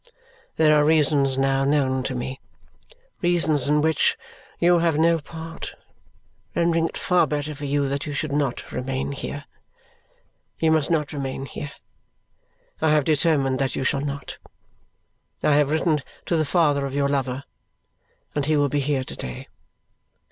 There are reasons now known to me, reasons in which you have no part, rendering it far better for you that you should not remain here. You must not remain here. I have determined that you shall not. I have written to the father of your lover, and he will be here to day.